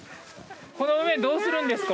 この梅どうするんですか？